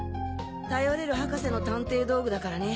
頼れる博士の探偵道具だからね。